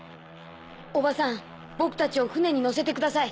おばさん僕たちを船に乗せてください。